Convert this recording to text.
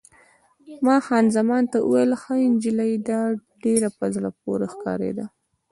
ما خان زمان ته وویل: ښه نجلۍ ده، ډېره په زړه پورې ښکارېده.